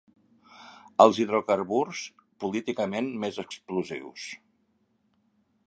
Els hidrocarburs políticament més explosius.